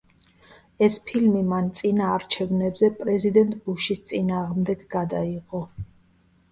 ეს ფილმი მან წინა არჩევნებზე პრეზიდენტ ბუშის წინააღმდეგ გადაიღო.